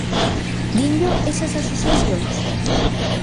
¿Dinllo esas asociacións?